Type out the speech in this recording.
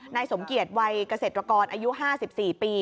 นายสมเกียจวัยเกษตรกรอายุ๕๔ปี